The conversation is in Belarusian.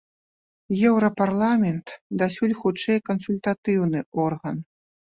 Еўрапарламент дасюль хутчэй кансультатыўны орган.